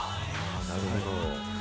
なるほど。